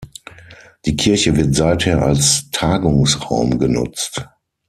Die Kirche wird seither als Tagungsraum genutzt.